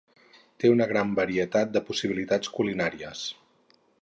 Té una gran varietat de possibilitats culinàries.